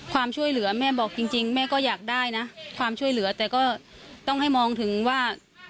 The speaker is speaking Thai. ความช่วยเหลือแม่บอกจริงแม่ก็อยากได้นะความช่วยเหลือแต่ก็ต้องให้มองถึงว่า